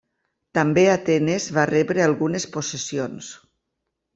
També Atenes va rebre algunes possessions.